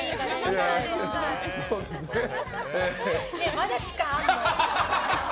まだ時間あるの？